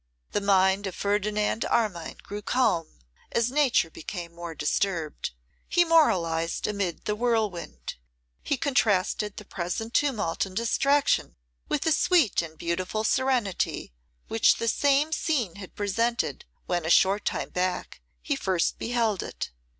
The mind of Ferdinand Armine grew calm, as nature became more disturbed. He moralised amid the whirlwind. He contrasted the present tumult and distraction with the sweet and beautiful serenity which the same scene had presented when, a short time back, he first beheld it.